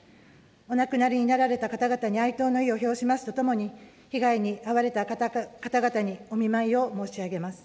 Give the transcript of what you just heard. お亡くなりになられた方々に哀悼の意を表しますとともに、被害に遭われた方々にお見舞いを申し上げます。